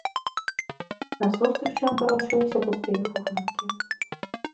Насустрач ім варочаліся пустыя фурманкі.